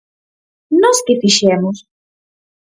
¿Nós que fixemos?